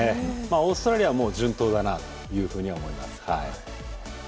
オーストラリアは順当だなというふうには思います。